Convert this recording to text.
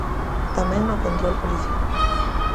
Tamén no control policial.